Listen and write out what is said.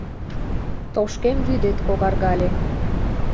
Тошкем вӱдет когаргале;